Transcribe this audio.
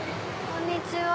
こんにちは。